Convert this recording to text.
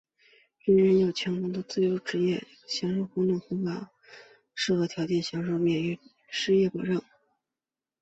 人人有权工作、自由选择职业、享受公正和合适的工作条件并享受免于失业的保障。